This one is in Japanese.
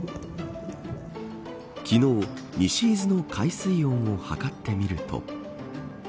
昨日、西伊豆の海水温を測ってみると。